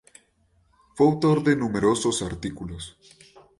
Fue autor de numerosos artículos.